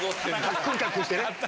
カックンカックンしてね。